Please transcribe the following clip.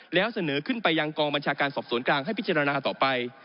แล้วเสนอขึ้นไปยังกองบัญชาการสอบสวนกลางให้พิจารณาต่อไป